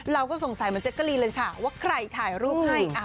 เราก็สงสัยเหมือนเจ๊กกะลีนเลยค่ะว่าใครถ่ายรูปให้